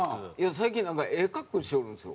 最近なんかええ格好しよるんですよ。